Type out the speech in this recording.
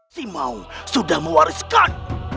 si mao sudah mewariskan